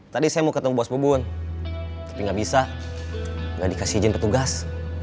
tadi saya mau ketemu bos pebun tapi nggak bisa nggak dikasih izin petugas